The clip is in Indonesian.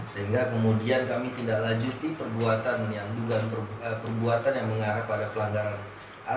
sehingga kemudian kami tidak lanjuti perbuatan yang mengarah pada pelanggaran